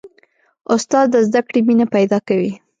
استاد د زده کړې مینه پیدا کوي.